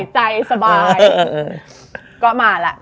ในห้องก็เหรอ